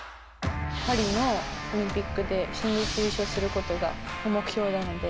パリのオリンピックで優勝することが目標なので。